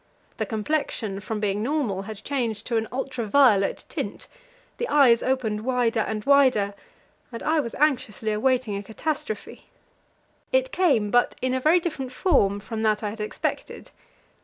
The complexion, from being normal, had changed to an ultra violet tint; the eyes opened wider and wider, and I was anxiously awaiting a catastrophe. It came, but in a very different form from that I had expected.